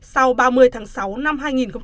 sau ba mươi tháng sáu năm hai nghìn một mươi bảy